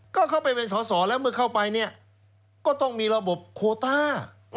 ก็เข้าไปเป็นสอสอแล้วเมื่อเข้าไปเนี่ยก็ต้องมีระบบโคต้า